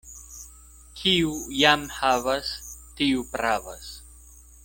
Kiu jam havas, tiu pravas.